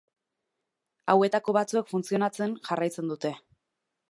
Hauetako batzuek funtzionatzen jarraitzen dute.